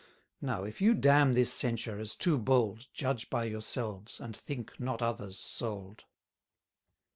Now, if you damn this censure, as too bold, Judge by yourselves, and think not others sold.